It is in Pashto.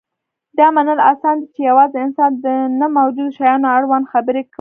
دا منل اسان دي، چې یواځې انسان د نه موجودو شیانو اړوند خبرې کوي.